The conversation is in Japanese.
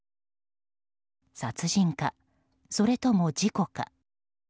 殺人か、それとも事故か。